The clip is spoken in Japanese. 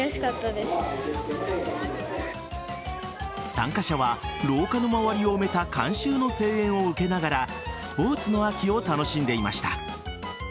参加者は、廊下の周りを埋めた観衆の声援を受けながらスポーツの秋を楽しんでいました。